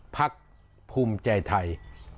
พักภูมิใจไทย